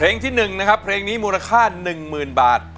ที่๑นะครับเพลงนี้มูลค่า๑๐๐๐บาท